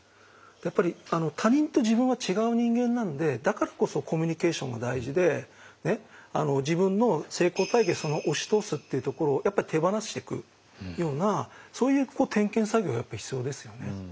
やっぱり他人と自分は違う人間なのでだからこそコミュニケーションが大事で自分の成功体験を押し通すっていうところを手放してくようなそういう点検作業やっぱ必要ですよね。